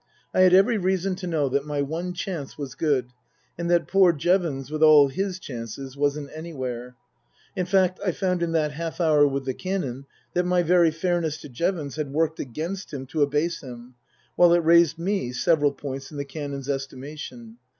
I had every reason to know that my one chance was good, and that poor Jevons, with all his chances, wasn't anywhere. In fact, I found in that half hour with the Canon that my very fairness to Jevons had worked against him to abase him, while it raised me several points in the Canon's estimation.